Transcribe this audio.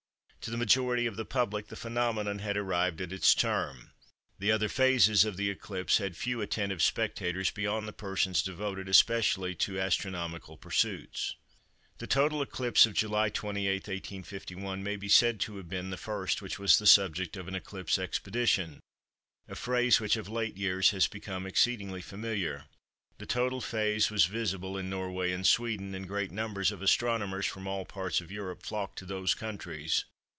To the majority of the public the phenomenon had arrived at its term. The other phases of the eclipse had few attentive spectators beyond the persons devoted especially to astronomical pursuits." The total eclipse of July 28, 1851, may be said to have been the first which was the subject of an "Eclipse Expedition," a phrase which of late years has become exceedingly familiar. The total phase was visible in Norway and Sweden, and great numbers of astronomers from all parts of Europe flocked to those countries.